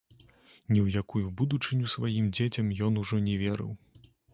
Ні ў якую будучыню сваім дзецям ён ужо не верыў.